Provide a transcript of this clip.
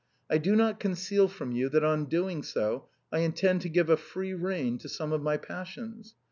" I do not conceal from you that on doing so I intend to give a free rein to some of my passions.